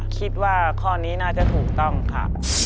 คิดว่าข้อนี้น่าจะถูกต้องค่ะ